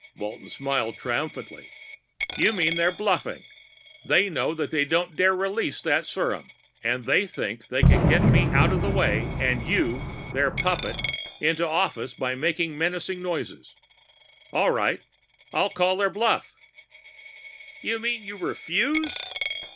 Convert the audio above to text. Walton smiled triumphantly. "You mean they're bluffing! They know they don't dare release that serum, and they think they can get me out of the way and you, their puppet, into office by making menacing noises. All right. I'll call their bluff." "You mean you refuse?"